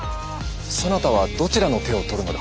そなたはどちらの手を取るのだ。